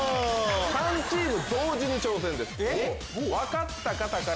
３チーム同時に挑戦です。